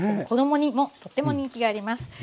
子どもにもとっても人気があります。